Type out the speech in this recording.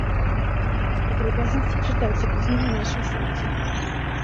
Падрабязнасці чытайце пазней на нашым сайце.